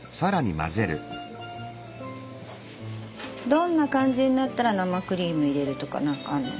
どんな感じになったら生クリーム入れるとか何かあるの？